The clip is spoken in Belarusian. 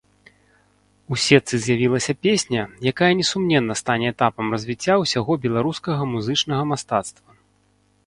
У сетцы з'явілася песня, якая несумненна стане этапам развіцця ўсяго беларускага музычнага мастацтва.